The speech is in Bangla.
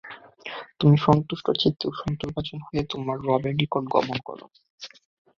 তুমি সন্তুষ্টচিত্তে ও সন্তোষভাজন হয়ে তোমার রবের নিকট গমন কর।